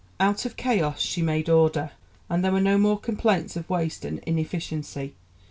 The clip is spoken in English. Out of chaos she made order, and there were no more complaints of waste and inefficiency.